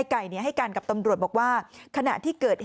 มันเป็นวันเรียงมันเป็นวันเรียง